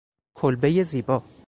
کلبهی زیبا